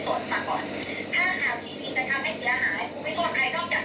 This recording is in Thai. คุณก็จะพูดเหมือนกันตอนนี้ใครลงบ้าง